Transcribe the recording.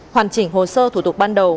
hoàn chỉnh hồ sơ thủ tục ban đầu